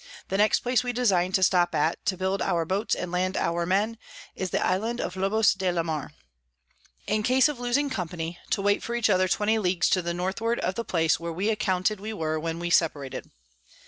"The next Place we design'd to stop at, to build our Boats and land our Men, is the Island of Lobos de la Mar. In case of losing Company, to wait for each other 20 Leagues to the Northward of the place where we accounted we were when we separated.